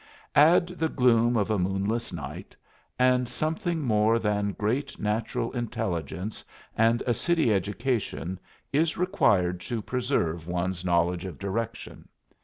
Add the gloom of a moonless night, and something more than great natural intelligence and a city education is required to preserve one's knowledge of direction.